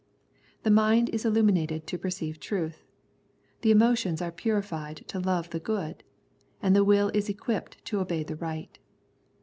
The mind is illuminated to perceive truth, the emotions are purified to love the good, and the will is equipped to obey the right.